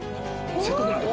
せっかくなんで。